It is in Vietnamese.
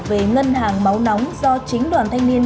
về ngân hàng máu nóng do chính đoàn thanh niên